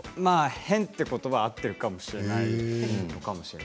変というところは合ってるかもしれないです。